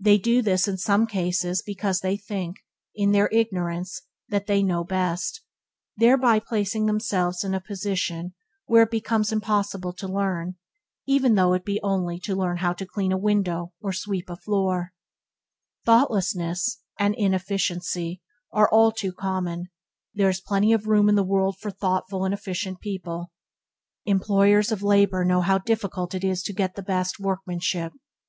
They do this in some cases because they think, in their ignorance, that they know best, thereby placing themselves in a position where it becomes impossible to learn, even though it be only to learn how to clean a window or sweep a floor. Thoughtlessness and inefficiency are all too common. There is plenty of room in the world for common. There is plenty of room in the world for thoughtful and efficient people. Employers of labour know how difficult it is to get the best workmanship.